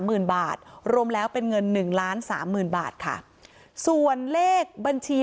หมื่นบาทรวมแล้วเป็นเงินหนึ่งล้านสามหมื่นบาทค่ะส่วนเลขบัญชี